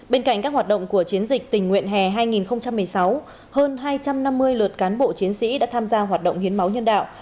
bên cạnh các hoạt động của chiến dịch tình nguyện hè hai nghìn một mươi sáu hơn hai trăm năm mươi lượt cán bộ chiến sĩ đã tham gia hoạt động hiến máu nhân đạo